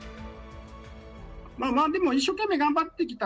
まあでも一生懸命頑張ってきた